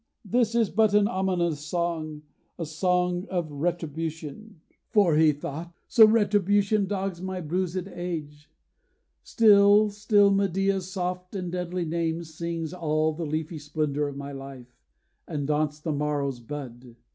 this is but an ominous song, A song of retribution.' For he thought: 'So retribution dogs my bruisèd age; Still, still Medea's soft and deadly name Stings all the leafy splendor of my life, And daunts the morrow's bud.